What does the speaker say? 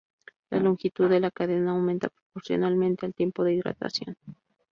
La longitud de la cadena aumenta proporcionalmente al tiempo de hidratación.